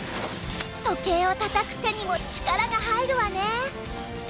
時計をたたく手にも力が入るわね。